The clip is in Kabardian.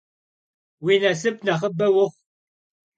Vui nasıp nexhıbe vuxhu!